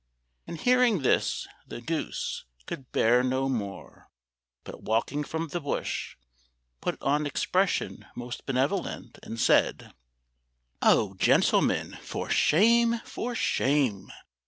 And hearing this, the goose Could bear no more, but walking from the bush, Put on expression most benevolent, And said, "Oh, gentlemen, for shame! for shame!